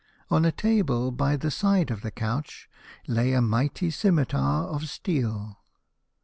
On a table by the side of the couch lay a mighty scimitar of steel.